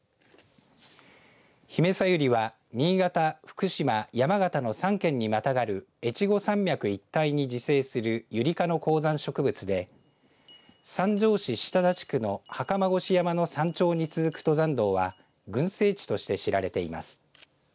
ヒメサユリは新潟福島、山形の３県にまたがる越後山脈一帯に自生するユリ科の高山植物で三条市下田地区の袴腰山の山頂に続く登山道は群生地として知られています。